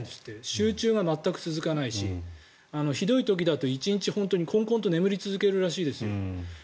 集中が全く続かないしひどい時だと１日本当に、昏々と眠り続けるらしいですよ。